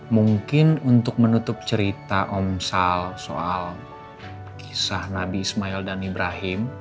mungkin untuk menutup cerita omsal soal kisah nabi ismail dan ibrahim